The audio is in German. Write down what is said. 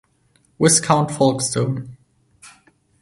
Viscount Folkestone.